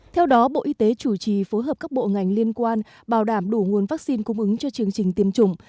theo đó bộ y tế chủ trì phối hợp các bộ ngành liên quan bảo đảm đủ nguồn vaccine cung ứng cho chương trình tiêm chủng